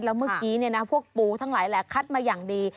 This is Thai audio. แล้วเมื่อกี้พวกปูทั้งหลายแหละคัดมาอย่างดี